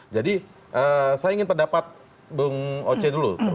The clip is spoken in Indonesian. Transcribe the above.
jadi saya ingin pendapat bung oce dulu